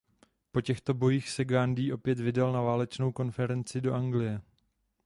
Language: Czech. Po těchto bojích se Gándhí opět vydal na válečnou konferenci do Anglie.